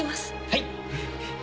はい！